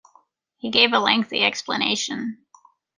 He gave a lengthy explanation.